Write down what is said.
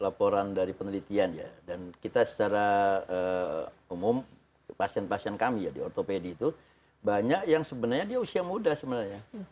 laporan dari penelitian ya dan kita secara umum pasien pasien kami ya di ortopedi itu banyak yang sebenarnya dia usia muda sebenarnya